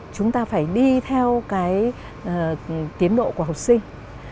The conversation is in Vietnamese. chúng ta phải đi theo cái tiến độ của học sinh